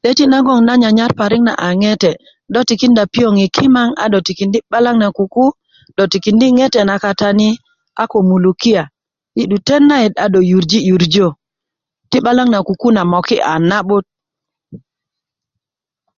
'deti' nagoŋ nan nyanyar parik na a ŋete do tikinda piyoŋ kimaŋ a do tikindi' 'balaŋ na kuku a do tikindi' ŋete na katani do tikindi mulukia i 'dutet nait a do yurji rjöyu ti 'balaŋ na kuku na gbe na'but